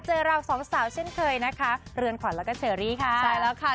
เราสองสาวเช่นเคยนะคะเรือนขวัญแล้วก็เชอรี่ค่ะใช่แล้วค่ะ